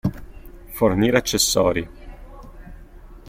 Fornire accessori.